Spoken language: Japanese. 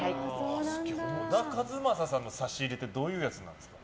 小田和正さんの差し入れってどういうやつなんですか？